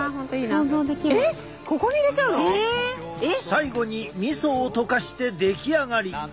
最後にみそを溶かして出来上がり。